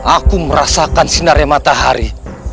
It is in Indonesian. aku merasakan sinarnya matahari